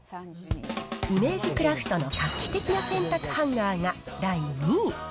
イメージクラフトの画期的な洗濯ハンガーが第２位。